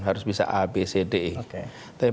harus bisa a b c d e oke tapi pak